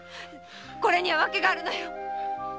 これには訳があるのよ